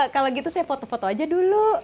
kalau gitu saya foto foto aja dulu